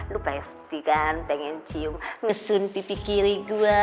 lu pasti kan pengen cium ngesun pipi kiri gue